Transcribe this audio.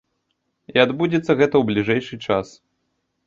І адбудзецца гэта ў бліжэйшы час.